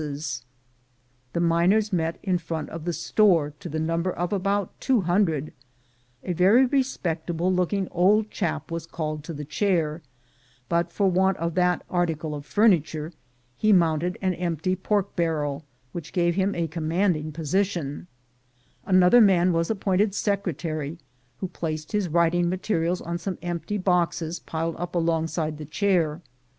MINERS' LAW 155 The miners met in front of the store to the number of about two hundred ; a very respectable looking old chap was called to the chair; but for want of that article of furniture he mounted an empty pork barrel, which gave him a commanding position ; another man was appointed secretary, who placed his writing materials on some empty boxes piled up alongside of the chair.